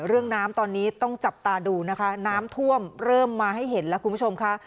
เรื่องน้ำตอนนี้ต้องจับตาดูนะคะน้ำท่วมเริ่มมาให้เห็นแล้วคุณผู้ชมค่ะ